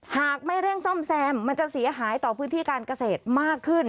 หากไม่เร่งซ่อมแซมมันจะเสียหายต่อพื้นที่การเกษตรมากขึ้น